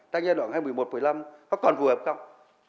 tại giai đoạn hai mươi một một mươi năm có còn phù hợp không